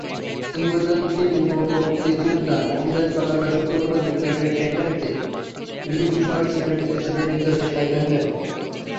কিংবদন্তি মুষ্টিযোদ্ধা Muhammad Ali গতকাল শুক্রবার যুক্তরাষ্ট্রের কেন্টাকির লুইভিল শহরে চিরনিদ্রায় শায়িত হলেন।